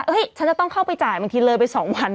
ฉันจะต้องเข้าไปจ่ายบางทีเลยไป๒วัน